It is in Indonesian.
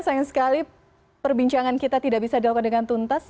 sayang sekali perbincangan kita tidak bisa dilakukan dengan tuntas